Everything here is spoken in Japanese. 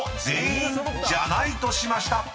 全員ジャナイとしました］